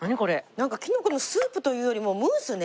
なんかきのこのスープというよりもムースね。